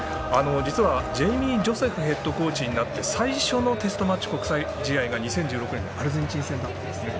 ジェイミー・ジョセフヘッドコーチになって最初のテストマッチ国際試合が２０１６年のアルゼンチン戦だったんですね。